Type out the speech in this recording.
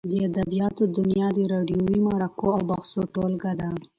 د ادبیاتو دونیا د راډیووي مرکو او بحثو ټولګه ده.